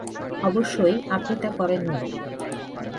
অবশ্যই, আপনি তা করেননি।